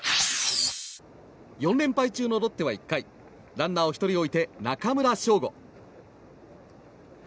４連敗中のロッテは１回ランナーを１人置いて中村奨吾。